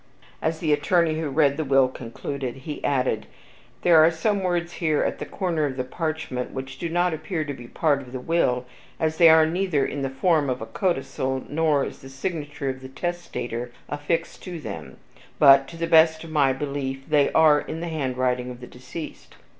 As the attorney who read the will concluded, he added, "There are some words here, at the corner of the parchment, which do not appear to be part of the will, as they are neither in the form of a codicil, nor is the signature of the testator affixed to them; but, to the best of my belief, they are in the handwriting of the deceased."